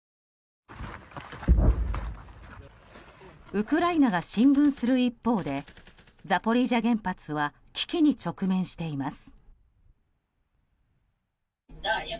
ウクライナ軍が進軍する一方でザポリージャ原発は危機に直面しています。